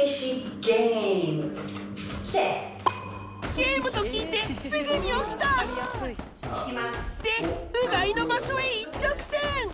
ゲームと聞いてすぐに起きた！でうがいの場所へ一直線！